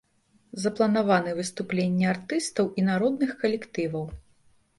Запланаваны выступленні артыстаў і народных калектываў.